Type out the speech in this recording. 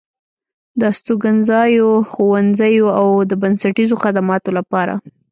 د استوګنځايو، ښوونځيو او د بنسټيزو خدماتو لپاره